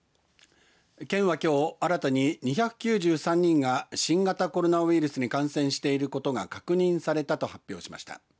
県はきょう新たに２９３人が新型コロナウイルスに感染していることが確認されたと発表しました。